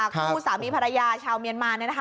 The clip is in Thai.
ผู้สามีภรรยาชาวเมียนมานเนี่ยนะคะ